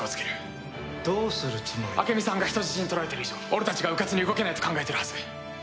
朱美さんが人質に取られてる以上俺たちがうかつに動けないと考えてるはず。